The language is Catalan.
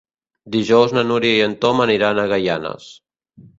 Dijous na Núria i en Tom aniran a Gaianes.